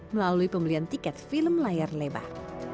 melalui pembelian tiket film layar lebar